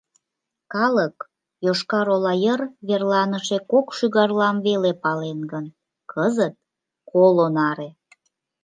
Калык Йошкар-Ола йыр верланыше кок шӱгарлам веле пален гын, кызыт — коло наре.